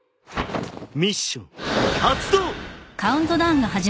ミッション発動！